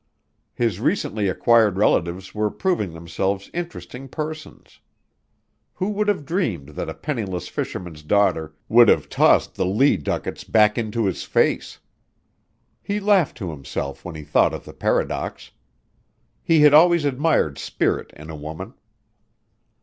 His recently acquired relatives were proving themselves interesting persons. Who would have dreamed that a penniless fisherman's daughter would have tossed the Lee ducats back into his face? He laughed to himself when he thought of the paradox. He had always admired spirit in a woman.